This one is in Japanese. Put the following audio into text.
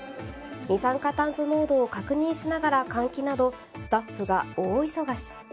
二酸化炭素濃度を確認しながら換気などスタッフが大忙し。